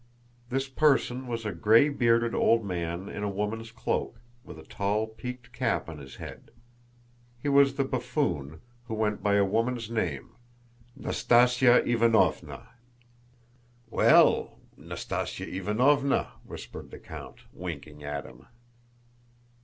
This person was a gray bearded old man in a woman's cloak, with a tall peaked cap on his head. He was the buffoon, who went by a woman's name, Nastásya Ivánovna. "Well, Nastásya Ivánovna!" whispered the count, winking at him.